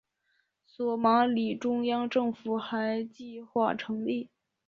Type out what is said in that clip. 索马里中央政府还计划成立。